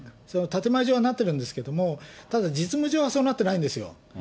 建て前上はなってるんですけど、ただ、実務上はそうなってないんですよ。